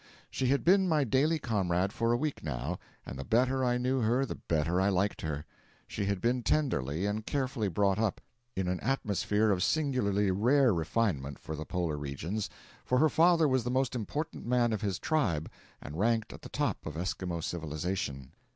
She had been my daily comrade for a week now, and the better I knew her the better I liked her. She had been tenderly and carefully brought up, in an atmosphere of singularly rare refinement for the polar regions, for her father was the most important man of his tribe and ranked at the top of Esquimaux civilisation.